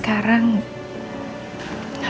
aku memang mulher